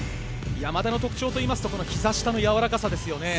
山田の特徴といいますとひざ下のやわらかさですよね。